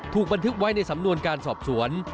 ถูกบันทึกไว้ในสำนวนการสอบสวน